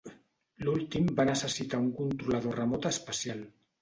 L"últim va necessitar un controlador remot especial.